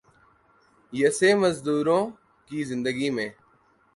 یسے مزدوروں کی زندگی میں